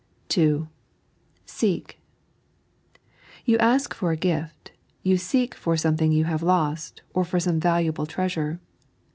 (2) Seek. You ask for a gift ; you seek for something you have lost, or for some valuable treasure.